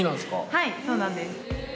はいそうなんです。